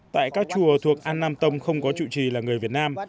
tại các chùa thuộc an nam tông không có chủ trì là người việt nam